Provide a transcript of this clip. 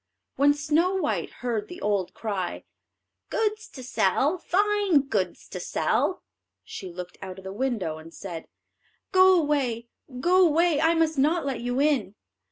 When Snow white heard the old cry, "Goods to sell, fine goods to sell," she looked out of the window and said: "Go away, go away; I must not let you in."